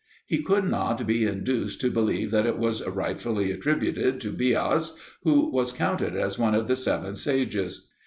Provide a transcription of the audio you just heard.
He could not be induced to believe that it was rightfully attributed to Bias, who was counted as one of the Seven Sages.